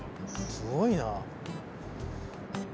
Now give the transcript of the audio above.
すごいな。